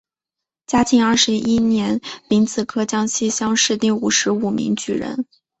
嘉庆二十一年丙子科江西乡试第五十五名举人。